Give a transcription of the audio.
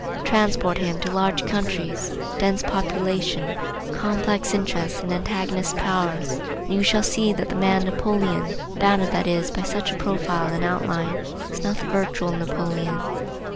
Transport him to large countries, dense population, complex interests and antagonist power, and you shall see that the man Napoleon, bounded that is by such a profile and outline, is not the virtual Napoleon.